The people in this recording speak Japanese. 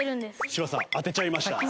柴田さん当てちゃいました。